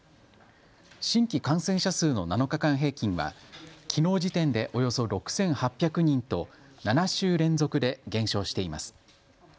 新規感染者数の７日間平均は、きのう時点でおよそ６８００人と７週連続で減少しています。